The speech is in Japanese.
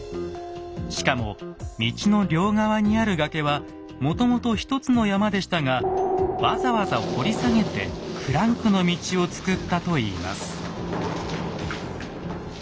しかも道の両側にある崖はもともと一つの山でしたがわざわざ掘り下げてクランクの道をつくったといいます。